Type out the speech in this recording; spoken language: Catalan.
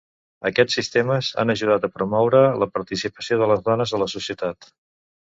Aquests sistemes han ajudat a promoure la participació de les dones a la societat.